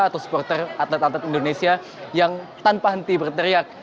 atau supporter atlet atlet indonesia yang tanpa henti berteriak